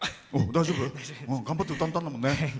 大丈夫？頑張って歌ったもんね。